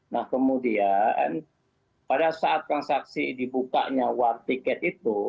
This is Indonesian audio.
nah kemudian pada saat transaksi dibuka nyawa tiket itu